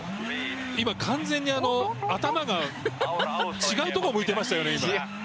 今完全に頭が違うところを向いていましたよね。